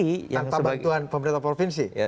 tanpa bantuan pemerintah provinsi